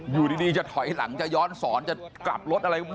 อยู่ดีจะถอยหลังจะย้อนสอนจะกลับรถอะไร